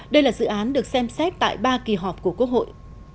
đây là dự án được xem xét tại ba kỳ họp của quốc hội